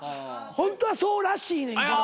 ホントはそうらしいねんけど。